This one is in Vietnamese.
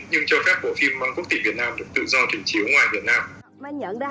nhưng cho phép bộ phim quốc tịch việt nam được tự do thỉnh chiếu ngoài việt nam